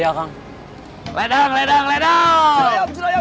ya sudh utariana pasti pelanjung